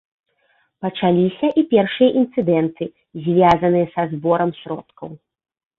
Пачаліся і першыя інцыдэнты, звязаныя са зборам сродкаў.